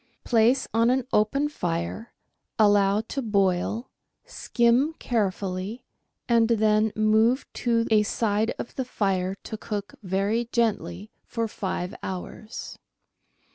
Place on an open fire, allow to boil, skim carefully, and then move to a side of the fire to cook very gently for FONDS DE CUISINE ii five hours.